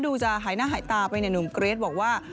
ดูจะหายหน้าหายตาไปเนี่ยหนุ่มเกรทบอกว่า